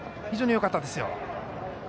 非常によかったですよ。